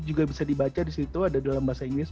juga bisa dibaca disitu ada dalam bahasa inggris